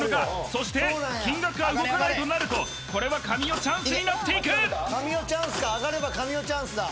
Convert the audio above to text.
そして金額が動かないとなるとこれは神尾チャンスになっていく神尾チャンスか？